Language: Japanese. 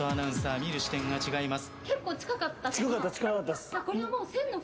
見る視点が違います。